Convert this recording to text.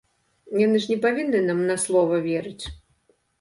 Яны ж не павінны нам на слова верыць.